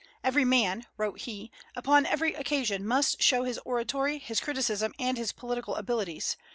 "Every man," wrote he, "upon every occasion must show his oratory, his criticism, and his political abilities.